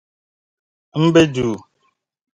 M be duu.